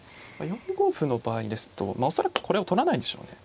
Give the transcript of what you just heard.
４五歩の場合ですと恐らくこれを取らないんでしょうね。